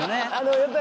やっぱり。